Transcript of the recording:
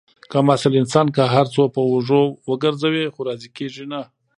کم اصل انسان که هر څو په اوږو وگرځوې، خو راضي کېږي نه.